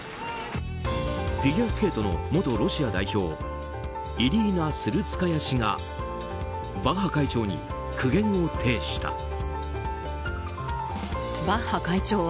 フィギュアスケートの元ロシア代表イリーナ・スルツカヤ氏がバッハ会長に苦言を呈した。